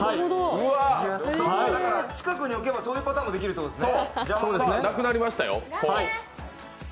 近くに置けばそういうパターンもできるってことですね。